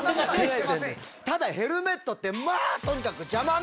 ただヘルメットってまぁとにかく邪魔んなる。